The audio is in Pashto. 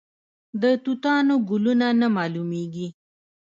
د توتانو ګلونه نه معلومیږي؟